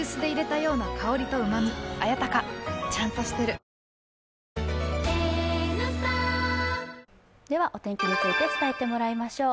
「ポリデント」では、お天気について伝えてもらいましょう。